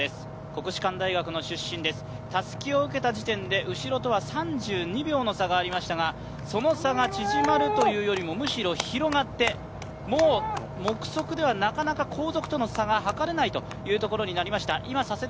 国士舘大学の出身ですたすきを受けた時点で後ろとは３２秒の差がありましたがその差が縮まるというよりもむしろ広がってもう目測では、なかなか後続との差がはかれないところになりました。